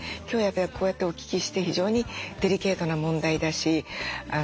今日やっぱりこうやってお聞きして非常にデリケートな問題だし。